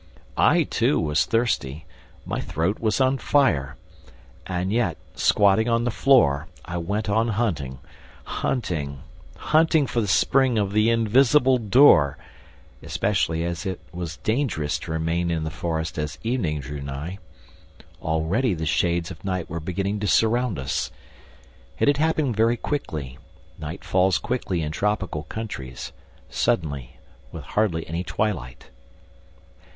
I too was thirsty. My throat was on fire. And, yet, squatting on the floor, I went on hunting, hunting, hunting for the spring of the invisible door ... especially as it was dangerous to remain in the forest as evening drew nigh. Already the shades of night were beginning to surround us. It had happened very quickly: night falls quickly in tropical countries ... suddenly, with hardly any twilight.